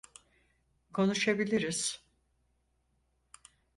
Konuşabiliriz.